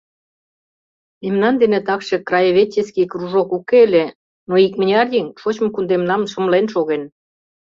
Мемнан дене такше краеведческий кружок уке ыле, но икмыняр еҥ шочмо кундемнам шымлен шоген.